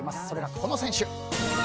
それがこの選手。